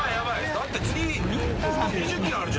だって次。